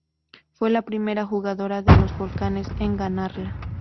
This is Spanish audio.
Fue la primera jugadora de los Balcanes en ganarla.